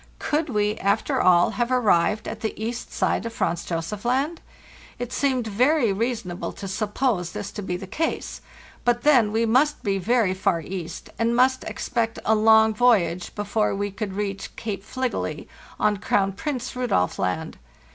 Could we, after all, have ar LAND AT LAST 349 rived at the east side of Franz Josef Land? It seemed very reasonable to suppose this to be the case. But then we must be very far east, and must expect a long voyage before we could reach Cape Fligely, on Crown Prince Rudolf Land.